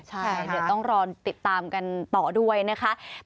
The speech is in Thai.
ใช่เดี๋ยวต้องรอติดตามกันต่อด้วยนะคะ